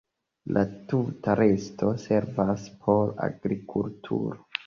La tuta resto servas por agrikulturo.